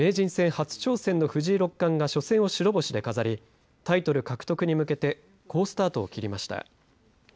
初挑戦の藤井六冠が初戦を白星で飾りタイトル獲得に向けて好スタートを切りました。